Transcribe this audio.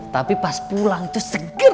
tapi pas pulang itu seger